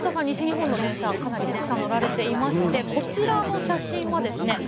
西日本の電車はかなりたくさん乗られていましてこちらの写真はですね